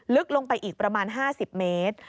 ลึกลงไปอีกประมาณ๕๐เมตร